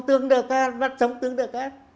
tướng được hết mắt sống tướng được hết